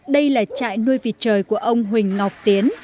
đây là trại nuôi vịt trời của ông huỳnh ngọc tiến